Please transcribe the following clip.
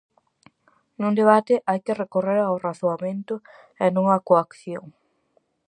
Nun debate, hai que recorrer ao razoamento e non á coacción.